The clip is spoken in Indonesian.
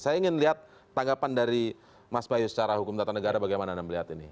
saya ingin lihat tanggapan dari mas bayu secara hukum tata negara bagaimana anda melihat ini